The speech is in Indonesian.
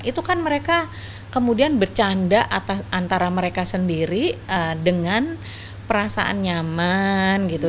itu kan mereka kemudian bercanda antara mereka sendiri dengan perasaan nyaman gitu